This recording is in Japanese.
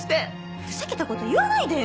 ふざけた事言わないでよ！